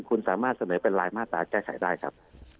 คุณสามารถเสนอเป็นรายมาตราแก้ไขได้ครับ